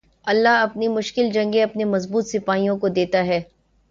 اللہ اپنی مشکل جنگیں اپنے مضبوط سپاہیوں کو دیتا ہے